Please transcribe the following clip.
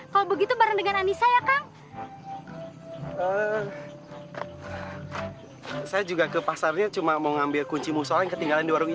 kang akbar mau ke mana kang